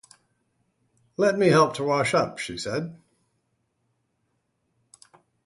“Let me help to wash up,” she said.